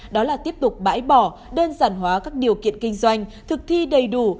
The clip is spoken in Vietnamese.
đó là tiếp tục bãi bỏ đơn giản hóa các điều kiện kinh doanh thực thi đầy đủ